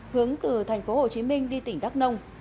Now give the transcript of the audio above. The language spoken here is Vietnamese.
hướng từ tp hcm đi tỉnh đắk nông